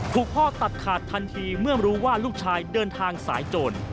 ถูกพ่อตัดขาดทันทีเมื่อรู้ว่าลูกชายเดินทางสายโจร